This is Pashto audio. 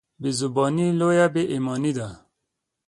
بېزباني لويه بېايماني ده.